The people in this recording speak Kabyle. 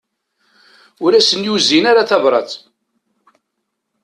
Ur asen-yuzin ara tabrat.